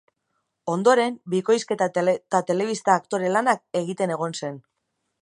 Ondoren, bikoizketa eta telebista aktore lanak egiten egon zen.